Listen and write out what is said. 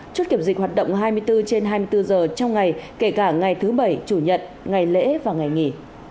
chốt kiểm dịch hoạt động hai mươi bốn trên hai mươi bốn giờ trong ngày kể cả ngày thứ bảy chủ nhật ngày lễ và ngày nghỉ